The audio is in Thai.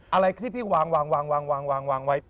อะไรที่พี่วางวางไว้